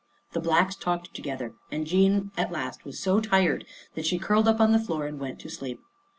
The Blacks talked together, and Jean at last was so tired that she curled up on the floor and went to sleep.